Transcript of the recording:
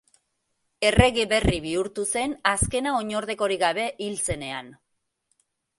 Errege berri bihurtu zen azkena oinordekorik gabe hil zenean.